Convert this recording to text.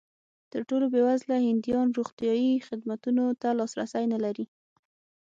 تر ټولو بېوزله هندیان روغتیايي خدمتونو ته لاسرسی نه لري.